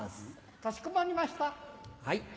かしこまりました。